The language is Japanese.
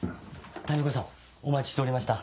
谷岡さんお待ちしておりました。